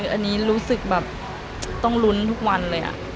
อันนี้รู้สึกแบบต้องลุ้นทุกวันเลย